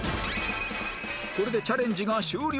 これでチャレンジが終了！